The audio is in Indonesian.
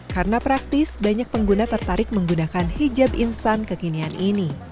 karena praktis banyak pengguna tertarik menggunakan hijab instan kekinian ini